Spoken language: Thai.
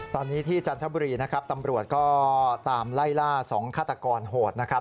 ตอนนี้ที่จันทบุรีนะครับตำรวจก็ตามไล่ล่า๒ฆาตกรโหดนะครับ